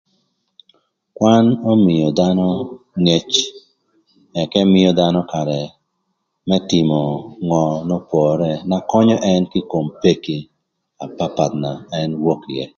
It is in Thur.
Kwan ömïö dhanö ngec ëka mïö dhanö karë më tïmö ngö n'opore na könyö ën kï ï kom peki na papath na ën wok ïë.